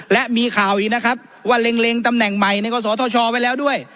และมีข่าวอีกนะครับว่าเล็งตำแหน่งใหม่ในกศธชไว้แล้วด้วย